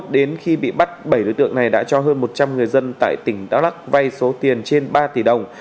đến khi bị bắt bảy đối tượng này đã cho hơn một trăm linh người dân tại tỉnh đắk lắc vay số tiền trên ba tỷ đồng